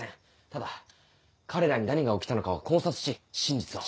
ただ彼らに何が起きたのかを考察し真実を。